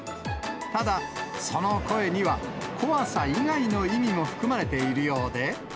ただ、その声には怖さ以外の意味も含まれているようで。